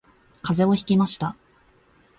風邪をひきました